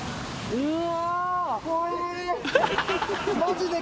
うわ！